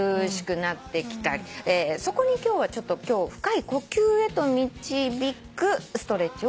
そこに今日はちょっと深い呼吸へと導くストレッチを。